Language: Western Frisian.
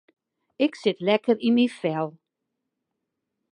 Ik sit lekker yn myn fel.